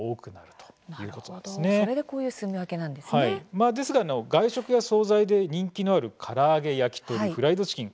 まあですが外食や総菜で人気のある唐揚げ焼き鳥フライドチキン